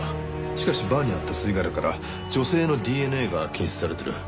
しかしバーにあった吸い殻から女性のＤＮＡが検出されてる。